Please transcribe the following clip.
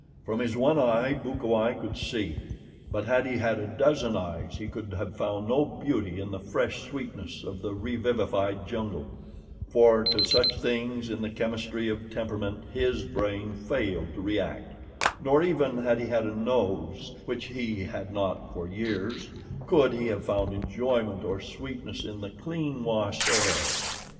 From his one eye Bukawai could see; but had he had a dozen eyes he could have found no beauty in the fresh sweetness of the revivified jungle, for to such things, in the chemistry of temperament, his brain failed to react; nor, even had he had a nose, which he had not for years, could he have found enjoyment or sweetness in the clean washed air.